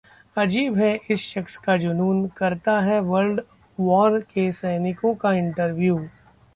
अजीब है इस शख्स का जुनून, करता है वर्ल्ड वॉर के सैनिकों का इंटरव्यू